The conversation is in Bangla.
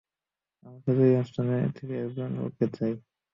আমার শুধু এই অনুষ্ঠান থেকে একজন লোককে চাই।